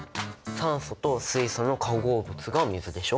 酸素と水素の化合物が水でしょ。